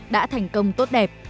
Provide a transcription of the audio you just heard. đã thành công tốt đẹp